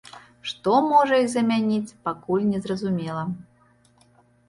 Што можа іх замяніць, пакуль незразумела.